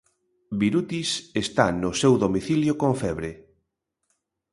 Birutis está no seu domicilio con febre.